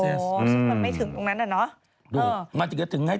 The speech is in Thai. เหมือนไม่ถึงตรงนั้นอ่ะเนอะ